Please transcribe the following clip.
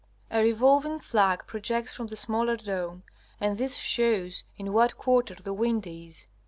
A revolving flag projects from the smaller dome, and this shows in what quarter the wind is.